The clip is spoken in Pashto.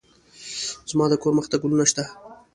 زما د کور مخې ته ګلونه شته